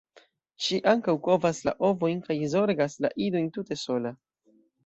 Ŝi ankaŭ kovas la ovojn kaj zorgas la idojn tute sola.